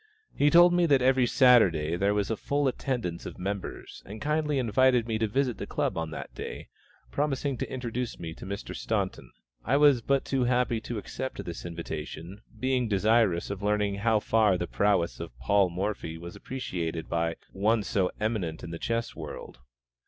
He told me that every Saturday there was a full attendance of members, and kindly invited me to visit the club on that day, promising to introduce me to Mr. Staunton. I was but too happy to accept this invitation, being desirous of learning how far the prowess of Paul Morphy was appreciated by one so eminent in the chess world.